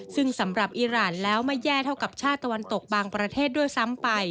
ซึ่งสำหรับอิราณแล้วไม่แย่เท่ากับชาติตะวันตกบางประเทศด้วยซ้ำไป